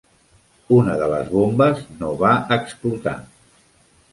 Una de les bombes no va explotar.